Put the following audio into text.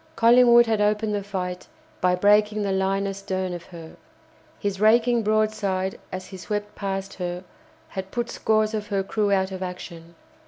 Collingwood had opened the fight by breaking the line astern of her. His raking broadside as he swept past her had put scores of her crew out of action.